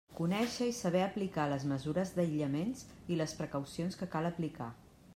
Conèixer i saber aplicar les mesures d'aïllaments i les precaucions que cal aplicar.